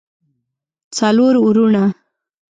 څلور وروڼه